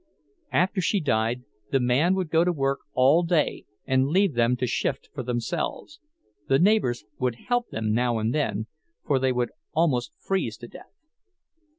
After she died the man would go to work all day and leave them to shift for themselves—the neighbors would help them now and then, for they would almost freeze to death.